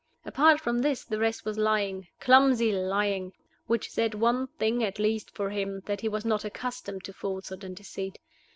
Apart from this, the rest was lying, clumsy lying, which said one thing at least for him, that he was not accustomed to falsehood and deceit.